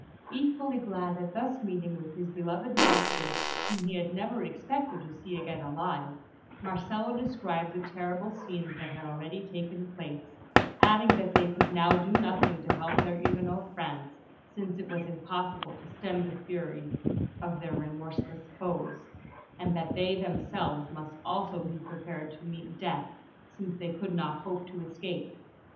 Equally glad at thus meeting with his beloved master, whom he had never expected to see again alive, Marcello described the terrible scenes that had already taken place, adding that they could now do nothing to help their Huguenot friends, since it was impossible to stem the fury of their remorseless foes, and that they themselves must also be prepared to meet death, since they could not hope to escape.